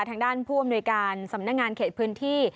ทางด้านผู้อำนวยการสำนักงานเขตพื้นที่